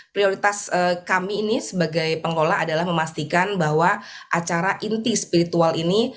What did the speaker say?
prioritas kami ini sebagai pengolah adalah memastikan bahwa acara inti spiritual ini